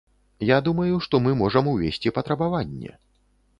Я думаю, што мы можам увесці патрабаванне.